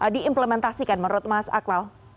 diimplementasikan menurut mas akmal